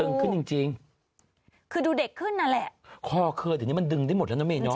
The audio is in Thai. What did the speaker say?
ขึ้นจริงจริงคือดูเด็กขึ้นนั่นแหละคอเคยเดี๋ยวนี้มันดึงได้หมดแล้วนะเมยเนอ